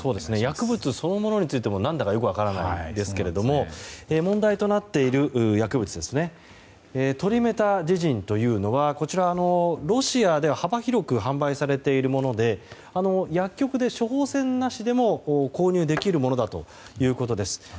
薬物そのものについても何だかよく分からないですけれども問題となっている薬物トリメタジジンというのはロシアで幅広く販売されているもので薬局で処方箋なしでも購入できるものだということです。